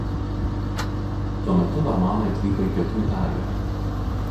Tuo metu normanai atvyko į Pietų Italiją.